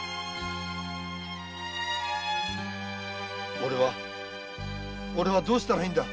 俺は俺はどうしたらいいんだ。